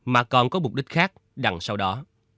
mà còn có mục đích khác đằng sau đó